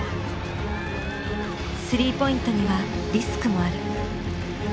３ポイントにはリスクもある。